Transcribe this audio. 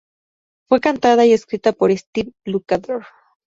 Fue cantada y escrita por Steve Lukather.